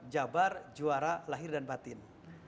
jabar juara lahir dan batin